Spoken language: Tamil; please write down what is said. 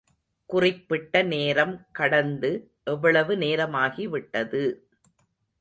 குறிப்பிட்ட நேரம் கடந்து எவ்வளவு நேரமாகிவிட்டது.